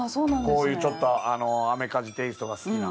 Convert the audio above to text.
こういうちょっとアメカジテイストが好きな。